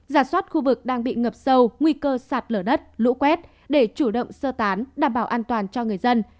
giả soát khu vực đang bị ngập sâu nguy cơ sạt lở đất lũ quét để chủ động sơ tán đảm bảo an toàn cho người dân